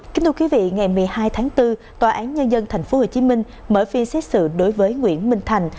kính thưa quý vị ngày một mươi hai tháng bốn tòa án nhân dân tp hcm mở phiên xét xử đối với nguyễn minh thành